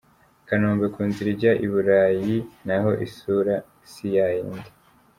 I Kanombe ku nzira ijya i Burayi naho isura si ya yindi.